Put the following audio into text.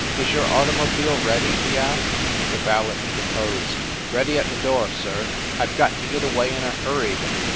"Is your automobile ready ?" he asked. The valet interposed. "Ready at the door, sir." "I ve got to get away in a hurry, then."